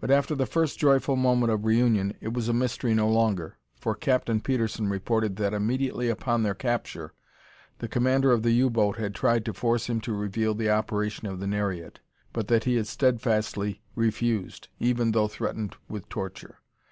But after the first joyful moment of reunion, it was a mystery no longer, for Captain Petersen reported that immediately upon their capture, the commander of the U boat had tried to force him to reveal the operation of the Nereid, but that he had steadfastly refused, even though threatened with torture.